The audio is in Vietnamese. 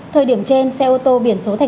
thời điểm trên xe ô tô biển số tp hcm